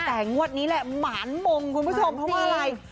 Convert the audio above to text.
แต่งวดนี้แหละหมานมงคุณผู้ชมเพราะว่าอะไร